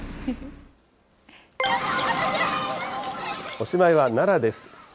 おしまいは奈良です。